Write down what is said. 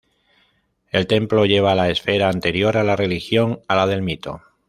El templo lleva a la esfera anterior a la religión, a la del mito.